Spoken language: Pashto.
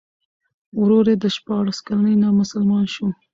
ورور یې د شپاړس کلنۍ نه مسلمان شو.